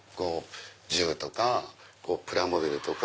銃とかプラモデルとか。